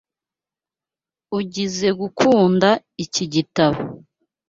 Ugizoe gukunda iki gitabo.